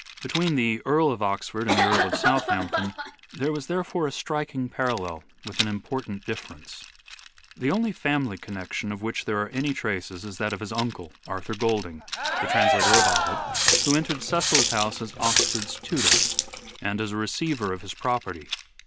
Between the Earl of Oxford and the Earl of Southampton there was therefore a striking parallel with an important difference. Arthur f The only family connection of which there are any Ovid!"8 S traces is that of his uncle, Arthur Golding, the trans lator of Ovid, who entered Cecil's house as Oxford's tutor and as receiver of his property.